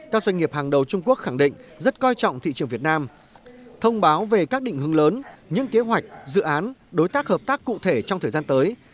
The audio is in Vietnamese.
các doanh nghiệp hàng đầu trung quốc khẳng định rất coi trọng thị trường việt nam thông báo về các định hướng lớn những kế hoạch dự án đối tác hợp tác cụ thể trong thời gian tới